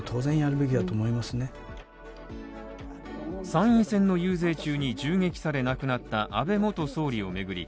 参院選の遊説中に銃撃され亡くなった安倍元総理を巡り